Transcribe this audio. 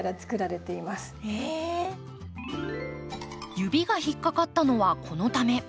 指が引っ掛かったのはこのため。